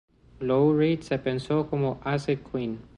Lou Reed se pensó como Acid Queen.